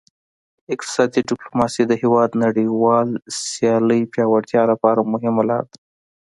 اقتصادي ډیپلوماسي د هیواد نړیوال سیالۍ پیاوړتیا لپاره مهمه لار ده